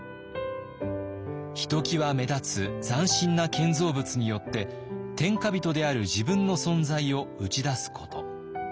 ひときわ目立つ斬新な建造物によって天下人である自分の存在を打ち出すこと。